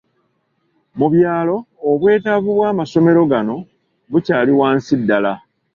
Mu byalo obwetaavu bw’amasomero gano bukyali wansi ddala.